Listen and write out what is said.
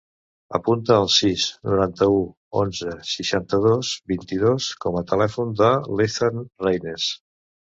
Apunta el sis, noranta-u, onze, seixanta-dos, vint-i-dos com a telèfon de l'Ethan Reynes.